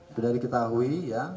sudah diketahui ya